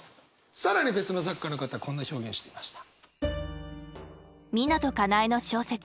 更に別の作家の方こんな表現していました。